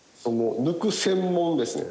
抜く専門ですね。